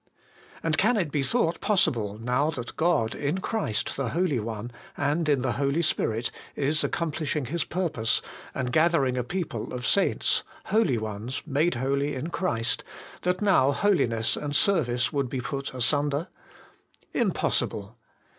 And can it be thought possible, now that God, in Christ the Holy One, and in the Holy Spirit, is accomplishing His purpose, and gathering a people of saints, ' holy ones,' ' made holy in Christ,' that now holiness and service would be put asunder ? Im possible